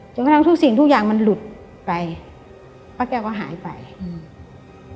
กระทั่งทุกสิ่งทุกอย่างมันหลุดไปป้าแก้วก็หายไปอืม